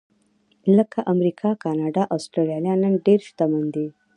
لکه امریکا، کاناډا او اسټرالیا نن ډېر شتمن دي.